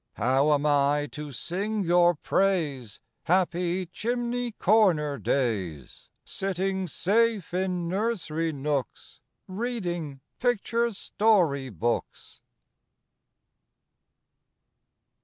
How am I to sing your praise, Happy chimney corner days, Sitting safe in nursery nooks, Reading picture story books?